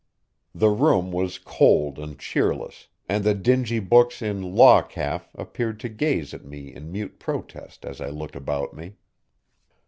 The room was cold and cheerless, and the dingy books in law calf appeared to gaze at me in mute protest as I looked about me.